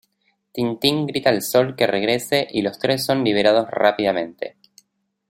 Tintín grita al Sol que regrese y los tres son liberados rápidamente.